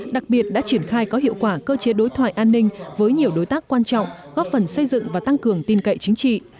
đặc biệt đã triển khai có hiệu quả cơ chế đối thoại an ninh với nhiều đối tác quan trọng góp phần xây dựng và tăng cường tin cậy chính trị